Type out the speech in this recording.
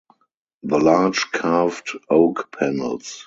The large carved oak panels.